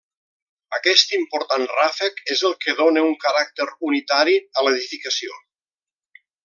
Aquest important ràfec és el que dóna un caràcter unitari a l'edificació.